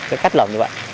cái cách lộn như vậy